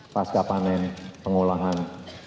pasca panen pengolahan